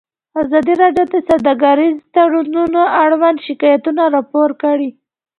ازادي راډیو د سوداګریز تړونونه اړوند شکایتونه راپور کړي.